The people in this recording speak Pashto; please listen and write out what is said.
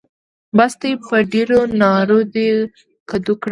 بس دی؛ په ډېرو نارو دې کدو کړم.